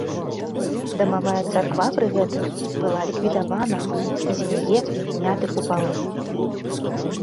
Дамавая царква пры гэтым была ліквідавана і з яе зняты купалы.